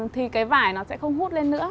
thì cái vải nó sẽ không hút lên nữa